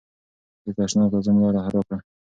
زه تشناب ته ځم لاره راکړه.